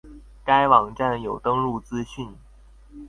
該網站有登入資訊